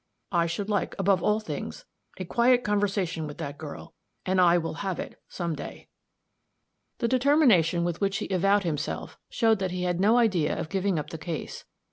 I should like, above all things, a quiet conversation with that girl. And I will have it, some day." The determination with which he avowed himself, showed that he had no idea of giving up the case.